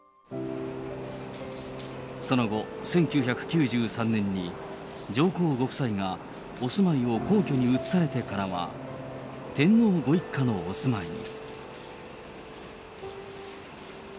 その後、１９９３年に上皇ご夫妻がお住まいを皇居に移されてからは、天皇ご一家のお住まいに。